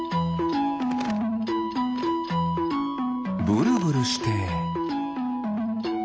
ブルブルして。